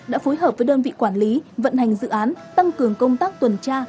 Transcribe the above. đã phối hợp với đơn vị quản lý vận hành dự án tăng cường công tác tuần tra